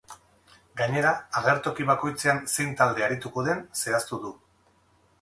Gainera, agertoki bakoitzean zein talde arituko den zehaztu du.